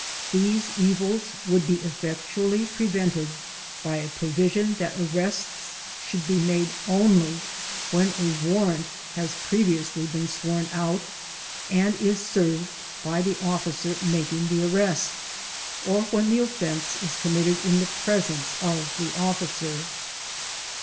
These evils wotdd be effectually prevented by a provision that arrests should be made only when a warrant has previously been sworn out and is served by the officer making the arrest, or when the offense is committed in the presence of the officer.